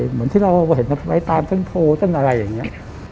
เหมือนที่เราเห็นไว้ตามต้นโพต้นอะไรอย่างนี้